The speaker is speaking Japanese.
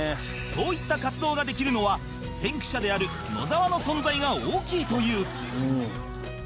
そういった活動ができるのは先駆者である野沢の存在が大きいという